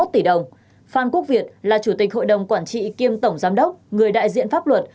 hai mươi tỷ đồng phan quốc việt là chủ tịch hội đồng quản trị kiêm tổng giám đốc người đại diện pháp luật